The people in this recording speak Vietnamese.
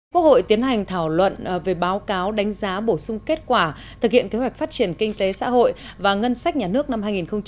quốc hội tiến hành thảo luận về báo cáo đánh giá bổ sung kết quả thực hiện kế hoạch phát triển kinh tế xã hội và ngân sách nhà nước năm hai nghìn một mươi tám